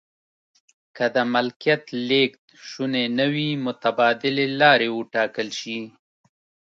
که د ملکیت لیږد شونی نه وي متبادلې لارې و ټاکل شي.